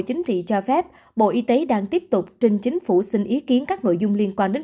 chính trị cho phép bộ y tế đang tiếp tục trình chính phủ xin ý kiến các nội dung liên quan đến